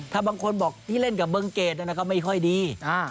ถ้าบางคนบอกที่เล่นกับเบิงเกดก็ไม่ค่อยดี